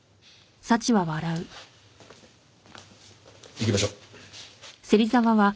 行きましょう。